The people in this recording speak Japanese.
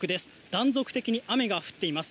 断続的に雨が降っています。